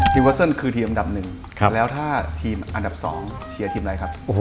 เวอร์เซิลคือทีมอันดับหนึ่งแล้วถ้าทีมอันดับ๒เชียร์ทีมใดครับ